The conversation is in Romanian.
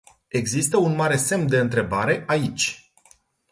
Există un mare semn de întrebare aici.